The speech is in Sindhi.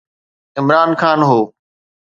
عمران خان هو.